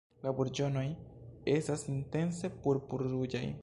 La burĝonoj estas intense purpur-ruĝaj.